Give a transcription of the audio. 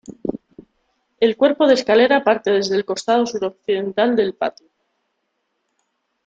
El cuerpo de escalera parte desde el costado suroccidental del patio.